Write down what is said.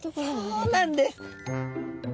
そうなんです。